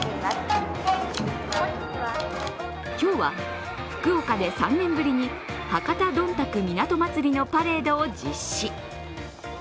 今日は福岡で３年ぶりに博多どんたく港まつりのパレードを実施。